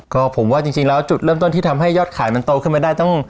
ก็ผมว่าจริงแล้วจุดเริ่มต้นที่ทำให้ยอดขายมันโตขึ้นมาได้ต้อง